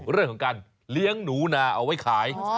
เรื่องของการเลี้ยงหนูนาเอาไว้ขาย